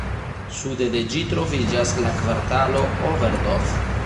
Sude de ĝi troviĝas la kvartalo Oberdorf.